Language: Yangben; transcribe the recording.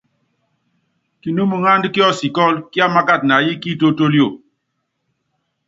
Kinúmiŋándɛ́ kiɔ́sikɔ́lɔ, kiámákat na yí ki itólítólio.